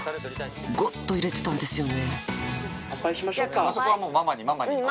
ゴッと入れてたんですよね